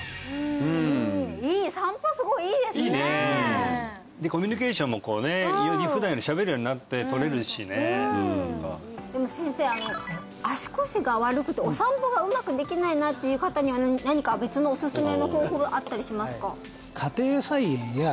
いい散歩すごいいいですねいいねでコミュニケーションもこうねより普段よりしゃべるようになってとれるしねでも先生あの足腰が悪くてお散歩がうまくできないなっていう方には何か別のおすすめの方法があったりしますか？